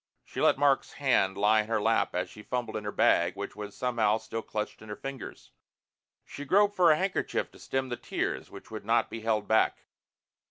She let Mark's hand lie in her lap as she fumbled in her bag, which was somehow still clutched in her fingers. She groped for a handkerchief to stem the tears which would not be held back.